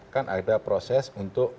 kan ada proses untuk